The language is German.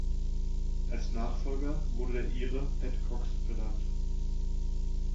Als Nachfolger wurde der Ire Pat Cox benannt.